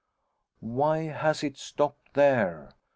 Why has it stopped there?